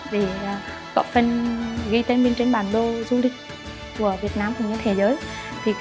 vì có phần ghi tên bên trên bản đồ du lịch của việt nam và thế giới